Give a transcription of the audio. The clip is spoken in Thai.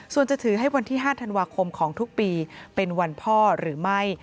ส่วนจะถือให้วันที่๕ธันวาคมของทุกปีเป็นวันพ่อหรือไม่